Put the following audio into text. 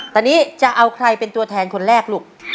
ตอนนี้จะเอาใครเป็นตัวแทนคนแรกลูก